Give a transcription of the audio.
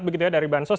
begitu ya dari bahan sos